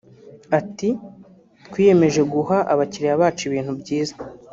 Ati “Twiyemeje guha abakiliya bacu ibintu byiza